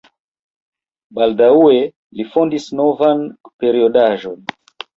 Baldaŭe li fondis novan periodaĵon.